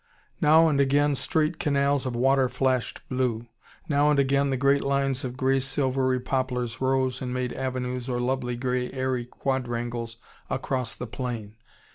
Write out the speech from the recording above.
Now and again straight canals of water flashed blue. Now and again the great lines of grey silvery poplars rose and made avenues or lovely grey airy quadrangles across the plain.